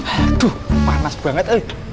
aduh panas banget